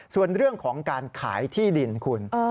ส่วนเรื่องของการขายที่ดินคุณ